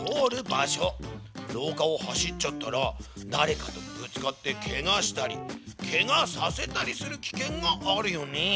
ろうかをはしっちゃったらだれかにぶつかってケガしたりケガさせたりするきけんがあるよね。